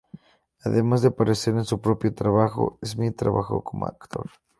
Además de aparecer en su propio trabajo, Smith trabajó como actor.